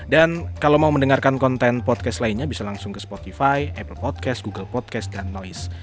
dan kalau mau mendengarkan konten podcast lainnya bisa langsung ke spotify apple podcast google podcast dan noise